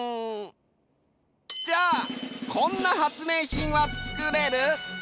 じゃあこんな発明品はつくれる？